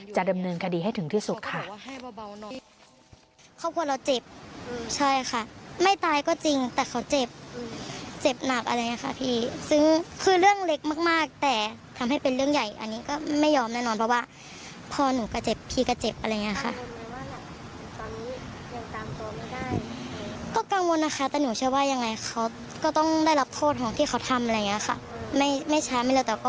จะดำเนินคดีให้ถึงที่สุดค่ะ